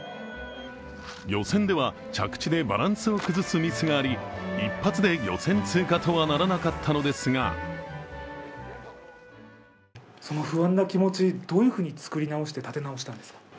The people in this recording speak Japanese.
予選では着地でバランスを崩すミスがあり一発で予選通過とはならなかったのですがその不安な気持ち、どういうふうに作り直して、立て直したんですか？